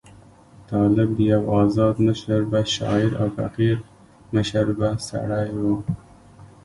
طالب یو آزاد مشربه شاعر او فقیر مشربه سړی وو.